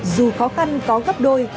dù khó khăn có gấp đôi